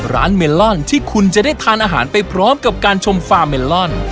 เมลอนที่คุณจะได้ทานอาหารไปพร้อมกับการชมฟาร์เมลอน